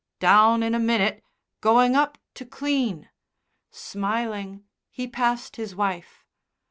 "Down in a minute. Going up to clean." Smiling, he passed his wife.